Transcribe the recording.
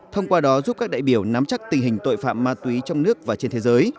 thông qua đó giúp các đại biểu nắm chắc tình hình tội phạm ma túy trong nước và trên thế giới